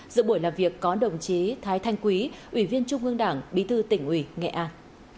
giữa buổi làm việc có đồng chí thái thanh quý ủy viên trung ương đảng bí thư tỉnh ủy nghệ an